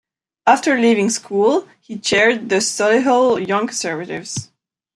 After leaving school he chaired the Solihull Young Conservatives.